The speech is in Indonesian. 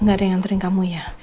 gak ada yang nganterin kamu ya